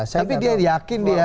tapi dia yakin dia